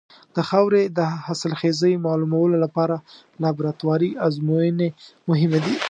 د خاورې د حاصلخېزۍ معلومولو لپاره لابراتواري ازموینې مهمې دي.